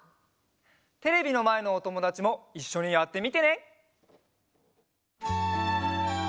テレビのまえのおともだちもいっしょにやってみてね！